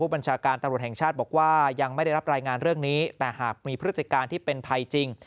บัญชาการตำรวจแห่งชาติบอกว่ายังไม่ได้รับรายงานเรื่องนี้แต่หากมีพฤติการที่เป็นภัยจริง